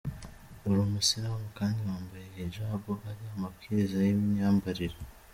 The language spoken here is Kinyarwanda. Uri Umusilamu kandi wambaye hijab, hari amabwiriza y’imyambarire ?